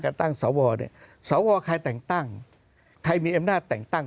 การตั้งสวนเนี้ยสวนคลาดอะไรแต่งตั้งใครมีอำนาจแต่งตั้ง